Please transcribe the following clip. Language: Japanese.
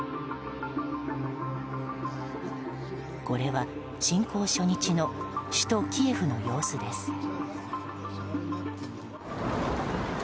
これは侵攻初日の首都キエフの様子です。